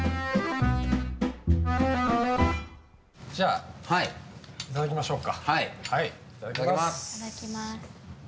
じゃあ、いただきましょうか。